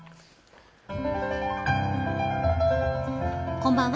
こんばんは。